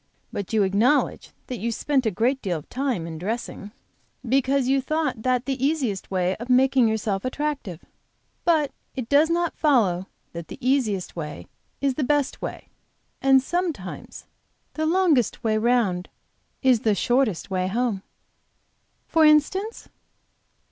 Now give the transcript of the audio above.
But you acknowledge that you spent a great deal of time in dressing because you thought that the easiest way of making yourself attractive. But it does not follow that the easiest way is the best way, and sometimes the longest way round is the shortest way home." "For instance?"